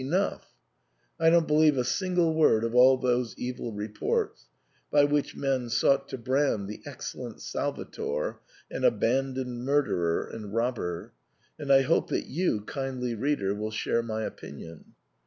Enoiigh ! I don't believe a single word of all those evil reports, by which men sought to brand the excellent Salvator an abandoned murderer and robber, and I hope that you, kindly reader, will share my opinion.